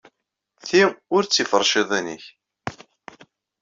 Ti ur d tiferciḍin-nnek.